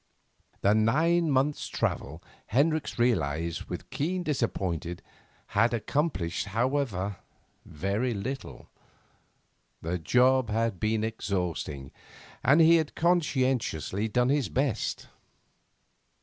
The nine months' travel, Hendricks realised with keen disappointment, had accomplished, however, very little. The job had been exhausting, and he had conscientiously done his best.